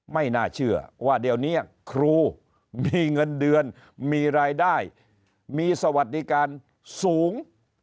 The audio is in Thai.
ไม่น่าเชื่อว่าเดี๋ยวนี้ครูมีเงินเดือนมีรายได้มีสวัสดิการสูง